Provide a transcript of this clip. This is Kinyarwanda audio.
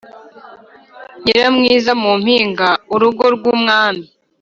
Nyiramwiza mu mpinga-Urugo rw'umwami.